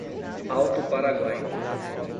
Alto Paraguai